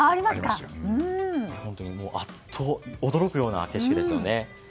あっと驚くような景色ですよね。